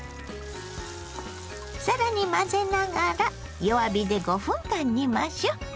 更に混ぜながら弱火で５分間煮ましょう。